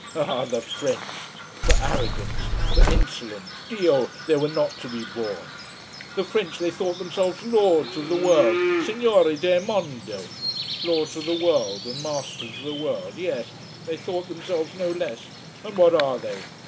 Ah, the French! For arrogance, for insolence, Dio! they were not to be borne. The French they thought themselves lords of the world signori del mondo! Lords of the world, and masters of the world. Yes. They thought themselves no less and what are they?